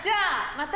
また。